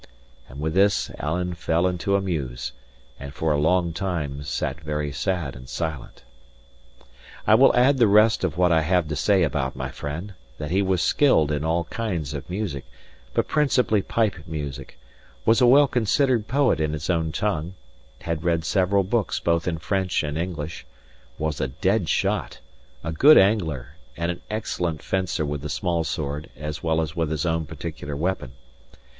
* Careful. And with this Alan fell into a muse, and for a long time sate very sad and silent. I will add the rest of what I have to say about my friend, that he was skilled in all kinds of music, but principally pipe music; was a well considered poet in his own tongue; had read several books both in French and English; was a dead shot, a good angler, and an excellent fencer with the small sword as well as with his own particular weapon.